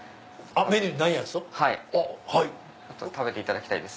はい食べていただきたいです。